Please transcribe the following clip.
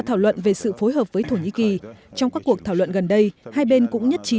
thảo luận về sự phối hợp với thổ nhĩ kỳ trong các cuộc thảo luận gần đây hai bên cũng nhất trí